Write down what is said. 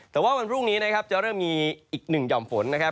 แต่ว่าวันพรุ่งนี้นะครับจะเริ่มมีอีกหนึ่งห่อมฝนนะครับ